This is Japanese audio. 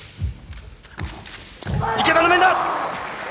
池田の面